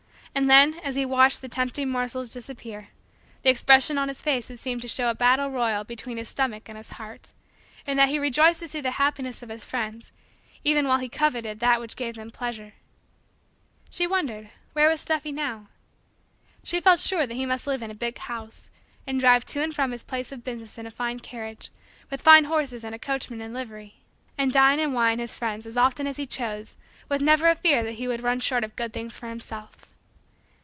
And then, as he watched the tempting morsels disappear, the expression on his face would seem to show a battle royal between his stomach and his heart, in that he rejoiced to see the happiness of his friends, even while he coveted that which gave them pleasure. She wondered where was "Stuffy" now? She felt sure that he must live in a big house, and drive to and from his place of business in a fine carriage, with fine horses and a coachman in livery, and dine and wine his friends as often as he chose with never a fear that he would run short of good things for himself.